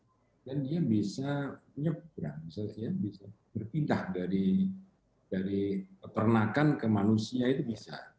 kemudian dia bisa nyebrang bisa berpindah dari peternakan ke manusia itu bisa